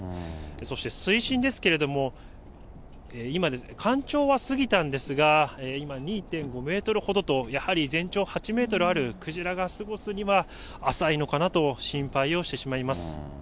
そして水深ですけれども、今、干潮は過ぎたんですが、今２．５メートルほどと、やっぱり全長８メートルあるクジラが過ごすには、浅いのかなと心配をしてしまいます。